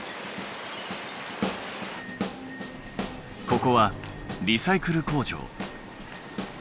ここはリサイクル工場。